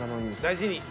大事によ。